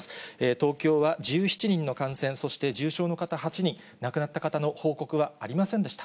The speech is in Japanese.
東京は１７人の感染、そして重症の方８人、亡くなった方の報告はありませんでした。